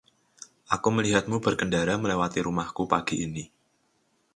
Aku melihatmu berkendara melewati rumahku pagi ini.